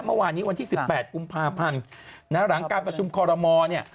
เมื่อวานนี้วันที่๑๘กุมภาพันธ์นะหลังการประชุมคอรมอลเนี่ย